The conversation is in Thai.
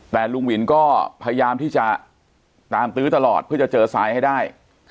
แต่ลุงวินก็พยายามที่จะตามตื้อตลอดเพื่อจะเจอทรายให้ได้